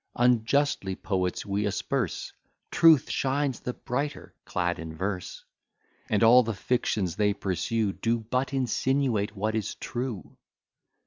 Unjustly poets we asperse; Truth shines the brighter clad in verse, And all the fictions they pursue Do but insinuate what is true.